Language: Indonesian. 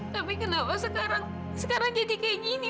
tapi kenapa sekarang jadi kayak gini